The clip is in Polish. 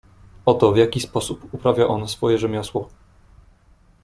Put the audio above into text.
"Oto w jaki sposób uprawia on swoje rzemiosło."